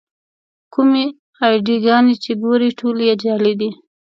کومې اې ډي ګانې چې ګورئ ټولې یې جعلي دي.